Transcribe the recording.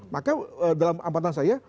maka dalam amatan saya pasti pendekatannya